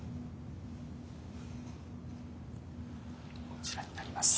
こちらになります。